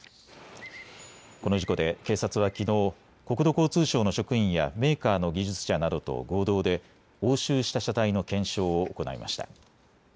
この事故で警察はきのう国土交通省の職員やメーカーの技術者などと合同で押収した車体の検証を行いました。